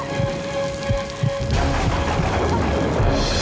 aida bangun aida